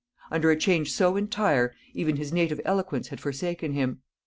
Under a change so entire, even his native eloquence had forsaken him.